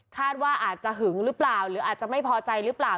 คาดว่าอาจจะหึงหรือเปล่าหรืออาจจะไม่พอใจหรือเปล่า